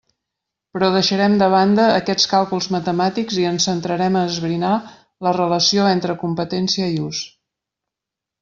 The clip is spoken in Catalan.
Però deixarem de banda aquests càlculs matemàtics i ens centrarem a esbrinar la relació entre competència i ús.